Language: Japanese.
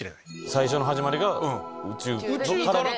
最初の始まりが宇宙から。